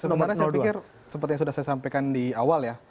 sebenarnya saya pikir seperti yang sudah saya sampaikan di awal ya